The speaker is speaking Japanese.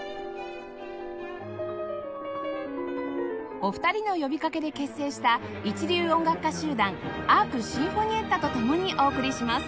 お二人の呼びかけで結成した一流音楽家集団 ＡＲＫ シンフォニエッタと共にお送りします